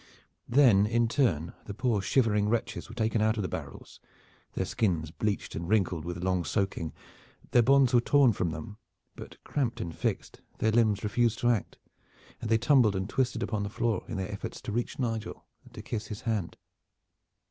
Then in turn the poor shivering wretches were taken out of the barrels, their skins bleached and wrinkled with long soaking. Their bonds were torn from them; but, cramped and fixed, their limbs refused to act, and they tumbled and twisted upon the floor in their efforts to reach Nigel and to kiss his hand.